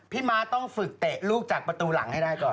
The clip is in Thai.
ม้าต้องฝึกเตะลูกจากประตูหลังให้ได้ก่อน